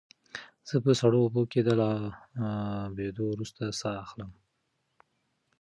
زه په سړو اوبو کې د لامبېدو وروسته ساه اخلم.